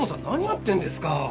何やってんですか？